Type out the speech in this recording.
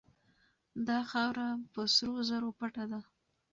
دا خاوره په سرو زرو پټه ده.